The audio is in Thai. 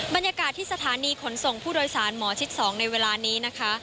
บรรยากาศที่สถานีขนส่งผู้โดยสารหมอชิด๒ในเวลานี้นะคะ